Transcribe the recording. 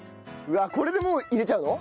これでもう入れちゃうの？